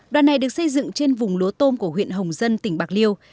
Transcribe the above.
đoạn này được xây dựng trên vùng lúa tôm của huyện hồng dân tỉnh bạc liêu